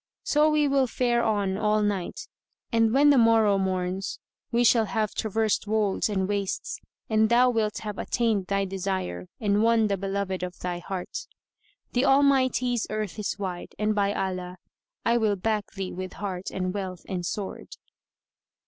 So will we fare on all night and when the morrow morns, we shall have traversed wolds and wastes, and thou wilt have attained thy desire and won the beloved of thy heart. The Almighty's earth is wide, and by Allah, I will back thee with heart and wealth and sword."